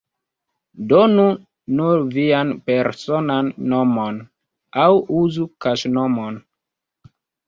Donu nur vian personan nomon, aŭ uzu kaŝnomon.